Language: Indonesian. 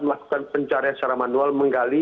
melakukan pencarian secara manual menggali